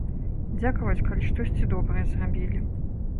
Дзякаваць, калі штосьці добрае зрабілі.